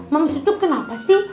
mams itu kenapa sih